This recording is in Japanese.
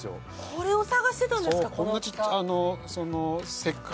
これを探してたんですか？